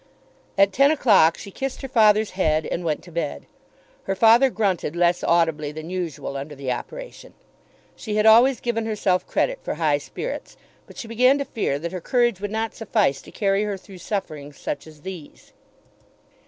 At ten o'clock she kissed her father's head and went to bed. Her father grunted less audibly than usual under the operation. She had always given herself credit for high spirits, but she began to fear that her courage would not suffice to carry her through sufferings such as these.